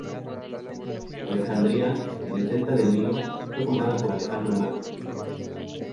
Alejandría, en el delta del Nilo, fue fundada por Alejandro Magno.